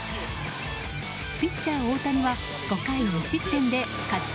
ピッチャー大谷は５回２失点で勝ち